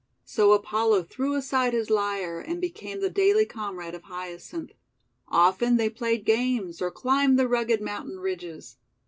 So Apollo threw aside his lyre, and became the daily comrade of Hyacinth. Often they played games, or climbed the rugged mountain ridges.